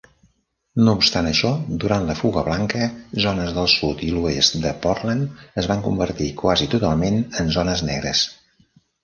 No obstant això, durant la fuga blanca, zones del sud i l'oest de Portland es van convertir quasi totalment en zones negres.